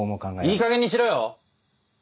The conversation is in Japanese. いいかげんにしろよ！